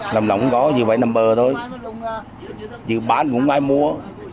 vùng lộng có gì vậy nằm bờ thôi chỉ bán cũng ai mua